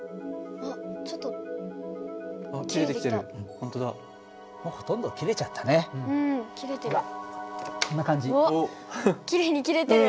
おっきれいに切れてる。